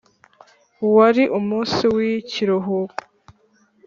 wari umunsi w'ikiruhuko,